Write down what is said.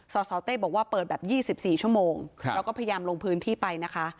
สสเต้บอกว่าเปิดแบบ๒๔ชั่วโมงเราก็พยายามลงพื้นที่ไปนะคะ